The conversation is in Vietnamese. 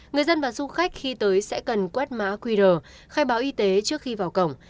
người dân và du khách khi tới sẽ cần quét mã qr khai báo y tế trước khi vào cổng